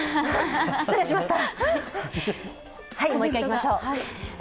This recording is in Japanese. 失礼しました。